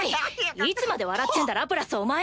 いつまで笑ってんだラプラスお前！